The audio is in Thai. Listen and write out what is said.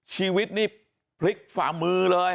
ชีวิตนี่พลิกฝ่ามือเลย